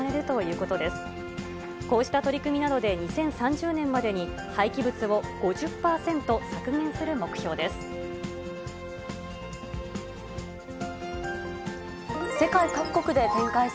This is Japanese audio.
こうした取り組みなどで、２０３０年までに廃棄物を５０％削減する目標です。